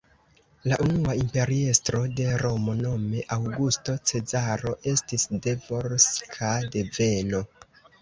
La unua imperiestro de Romo nome Aŭgusto Cezaro estis de volska deveno.